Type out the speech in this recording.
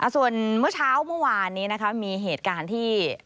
ส่วนเมื่อเช้าเมื่อวานนี้นะคะมีเหตุการณ์ที่